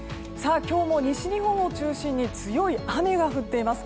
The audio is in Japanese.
今日も西日本を中心に強い雨が降っています。